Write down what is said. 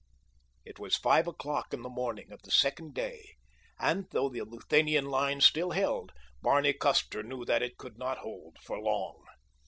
It was five o'clock in the morning of the second day, and though the Luthanian line still held, Barney Custer knew that it could not hold for long.